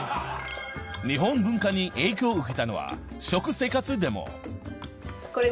日本文化に影響を受けたのは食生活でも見たい？